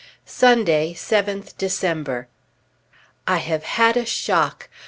Sunday, 7th December. I have had a shock!